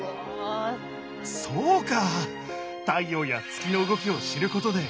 そうか！